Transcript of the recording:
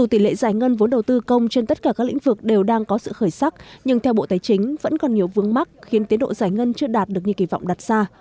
tỷ lệ giải ngân vốn đầu tư công trên tất cả các lĩnh vực đều đang có sự khởi sắc nhưng theo bộ tài chính vẫn còn nhiều vướng mắc khiến tiến độ giải ngân chưa đạt được như kỳ vọng đặt ra